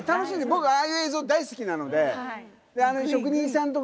僕ああいう映像大好きなので。